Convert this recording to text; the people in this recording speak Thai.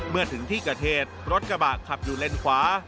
เมื่อถึงที่กระเทศรถกระบะขับอยู่เลนคว้า